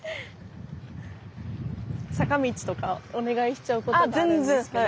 坂道とかお願いしちゃうことがあるんですけど。